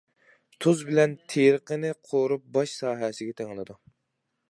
تۇز بىلەن تېرىقنى قورۇپ باش ساھەسىگە تېڭىلىدۇ.